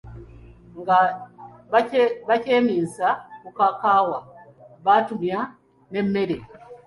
Nga bakyeminsa ku kakaawa, batumya n'emmere.